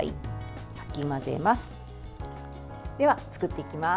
かき混ぜます。